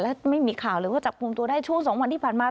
และไม่มีข่าวเลยว่าจับกลุ่มตัวได้ช่วง๒วันที่ผ่านมา